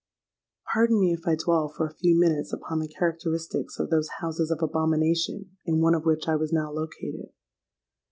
"Pardon me, if I dwell for a few minutes upon the characteristics of those houses of abomination, in one of which I was now located.